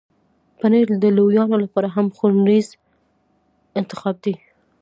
پنېر د لویانو لپاره هم خوړنیز انتخاب دی.